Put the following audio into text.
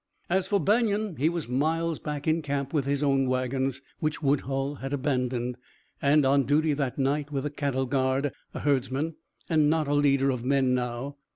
As for Banion, he was miles back, in camp with his own wagons, which Woodhull had abandoned, and on duty that night with the cattle guard a herdsman and not a leader of men now.